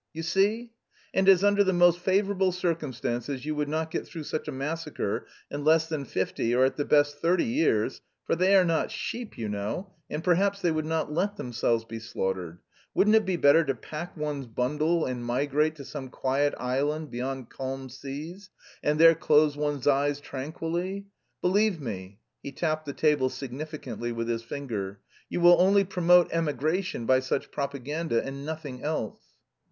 "You see. And as under the most favourable circumstances you would not get through such a massacre in less than fifty or at the best thirty years for they are not sheep, you know, and perhaps they would not let themselves be slaughtered wouldn't it be better to pack one's bundle and migrate to some quiet island beyond calm seas and there close one's eyes tranquilly? Believe me" he tapped the table significantly with his finger "you will only promote emigration by such propaganda and nothing else!"